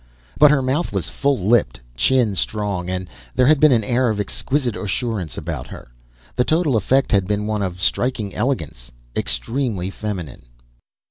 But her mouth was full lipped, chin strong, and there had been an air of exquisite assurance about her. The total effect had been one of striking elegance extremely feminine.